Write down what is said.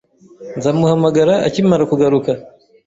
Nzaguhamagara akimara kugaruka